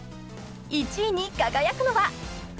［１位に輝くのは？］